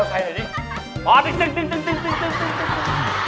ขับเสียงมอเตอร์ไซล์หน่อยดี